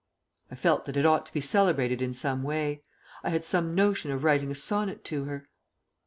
I felt that it ought to be celebrated in some way. I had some notion of writing a sonnet to her.